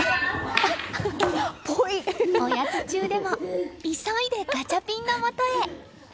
おやつ中でも急いでガチャピンのもとへ。